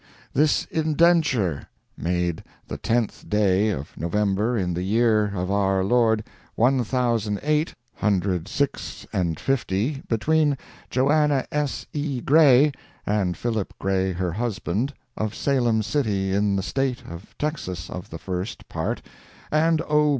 THIS INDENTURE, made the tenth Day of November, in the year Of our Lord one thousand eight Hundred six and fifty, Between JOANNA S. E. GRAY And PHILIP GRAY, her husband, Of Salem City in the State Of Texas, of the first part, And O.